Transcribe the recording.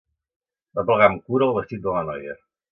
Va aplegar amb cura el vestit de la noia.